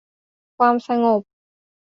ความสงบ